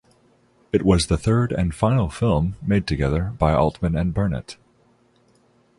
It was the third and final film made together by Altman and Burnett.